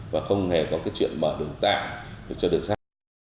và không hề có chuyện mở đường tạng cho đường sắt